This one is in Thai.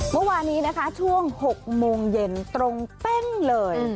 เมื่อวานนี้นะคะช่วง๖โมงเย็นตรงเป้งเลย